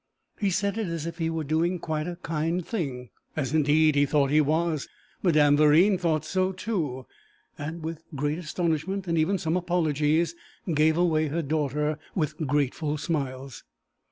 He said it as if he was doing quite a kind thing, as, indeed, he thought he was. Madame Verine thought so too, and with great astonishment, and even some apologies, gave away her daughter with grateful smiles.